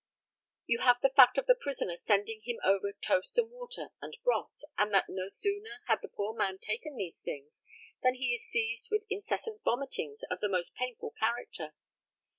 You have the fact of the prisoner sending him over toast and water and broth, and that no sooner had the poor man taken these things than he is seized with incessant vomitings of the most painful character.